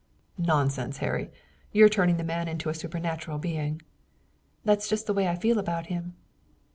"Nonsense, Harry, you're turning the man into a supernatural being." "That's just the way I feel about him."